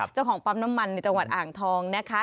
เจ้าของปั๊มน้ำมันในจังหวัดอ่างทองนะคะ